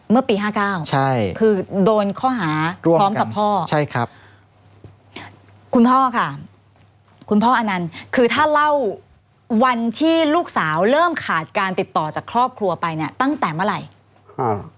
เมื่อปีห้าเก้าใช่คือโดนข้อหาร่วมกับพ่อใช่ครับคุณพ่อค่ะคุณพ่ออนันต์คือถ้าเล่าวันที่ลูกสาวเริ่มขาดการติดต่อจากครอบครัวไปเนี่ยตั้งแต่เมื่อไหร่